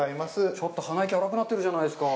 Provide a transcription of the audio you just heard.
ちょっと鼻息荒くなってるじゃないですか。